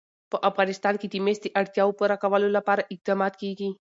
په افغانستان کې د مس د اړتیاوو پوره کولو لپاره اقدامات کېږي.